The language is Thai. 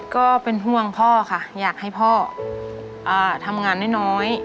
ก็เป็นห่วงพ่อค่ะอยากให้พ่อทำงานน้อย